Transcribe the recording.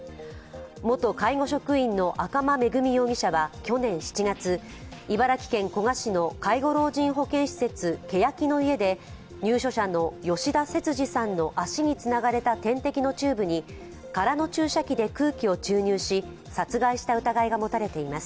元介護職員の赤間恵美容疑者は去年７月、茨城県古河市の介護老人保健施設、けやきの舎で入所者の吉田節次さんの足につながれた点滴のチューブに空の注射器で空気を注入し殺害した疑いが持たれています。